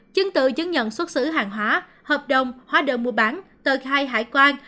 chứng tự chứng nhận xuất xứ hàng hóa hợp đồng hóa đơn mua bán tờ khai hải quan